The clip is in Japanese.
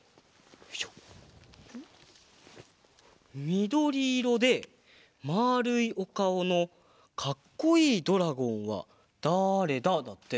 「みどりいろでまあるいおかおのかっこいいドラゴンはだれだ？」だって。